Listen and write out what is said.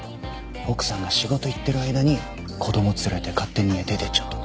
奥さんが仕事行ってる間に子どもを連れて勝手に家出ていっちゃったんだ。